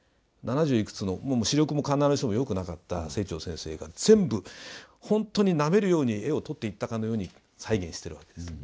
７０いくつのもう視力も必ずしもよくなかった清張先生が全部本当になめるように絵を撮っていったかのように再現してるわけですよ。